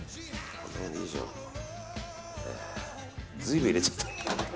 随分入れちゃった。